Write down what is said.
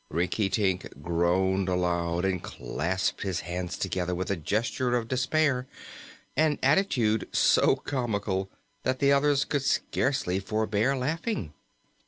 Rinkitink groaned aloud and clasped his hands together with a gesture of despair, an attitude so comical that the others could scarcely forbear laughing.